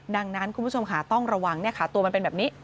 ดังนั้นคุณผู้ชมค่ะต้องระวังตัวมันเป็นแบบนี้